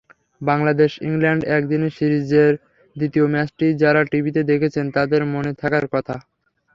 বাংলাদেশ-ইংল্যান্ড একদিনের সিরিজের দ্বিতীয় ম্যাচটি যাঁরা টিভিতে দেখেছেন, তাঁদের মনে থাকার কথা।